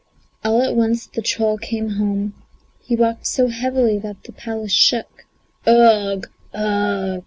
All at once the troll came home; he walked so heavily that the palace shook. "Ugh, ugh!